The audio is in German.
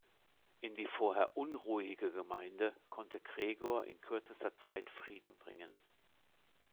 In die vorher unruhige Gemeinde konnte Gregor in kürzester Zeit Frieden bringen.